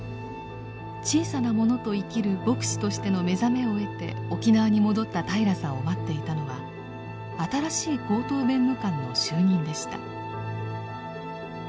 小さな者と生きる牧師としての目覚めを得て沖縄に戻った平良さんを待っていたのは新しい高等弁務官の就任でした。